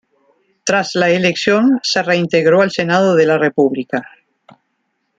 Tras la elección se reintegró al Senado de la República.